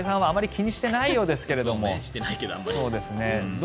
気にしてないですけど。